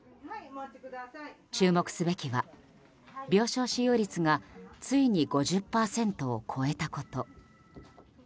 注目すべきは病床使用率がついに５０％を超えたこと。